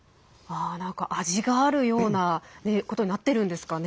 味があるようなことになってるんですかね。